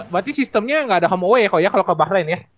berarti sistemnya gak ada home and away ya kalau ke bahrain ya